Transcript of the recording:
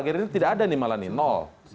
gerindra tidak ada nih malah nih nol